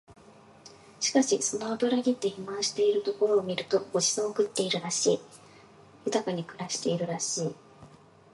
しかしその脂ぎって肥満しているところを見ると御馳走を食ってるらしい、豊かに暮らしているらしい